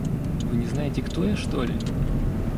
Вы не знаете, кто я, что ли?